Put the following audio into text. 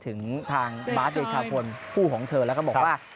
ถึงทางบาร์ดเดชาพลคู่ของเธอแล้วก็บอกว่า